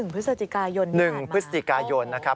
พฤศจิกายน๑พฤศจิกายนนะครับ